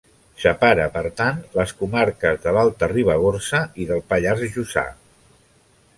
Separa, per tant, les comarques de l'Alta Ribagorça i del Pallars Jussà.